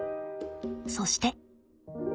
そして。